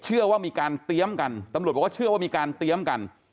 เชื่อว่ามีการเตรียมกันตำรวจบอกว่าเชื่อว่ามีการเตรียมกัน